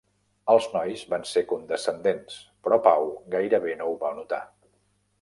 Els nois van ser condescendents, però Pau gairebé no ho va notar.